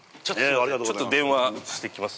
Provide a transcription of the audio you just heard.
ちょっと電話してきます。